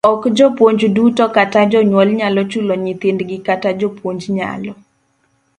Ok jopuonj duto kata jonyuol nyalo chulo nyithindgi kata japuonj nyalo